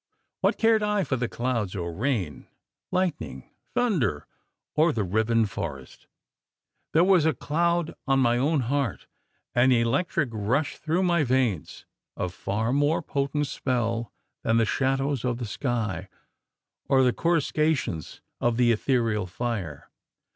What cared I for the clouds or rain lightning, thunder, or the riven forest? There was a cloud on my own heart an electric rush through my veins of far more potent spell than the shadows of the sky, or the coruscations of the ethereal fire.